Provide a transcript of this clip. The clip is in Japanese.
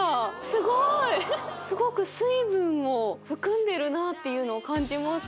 すごく水分を含んでるなっていうのを感じます